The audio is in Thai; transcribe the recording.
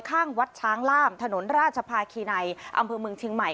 ข้างวัดช้างล่ามถนนราชภาคินัยอำเภอเมืองเชียงใหม่